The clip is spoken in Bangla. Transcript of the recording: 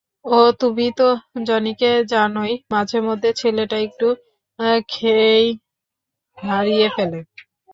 ওহ, তুমি তো জনিকে জানোই, মাঝে মধ্যে ছেলেটা একটু খেই হারিয়ে ফেলে।